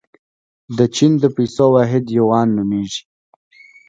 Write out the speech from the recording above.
د چین د پیسو واحد یوان نومیږي.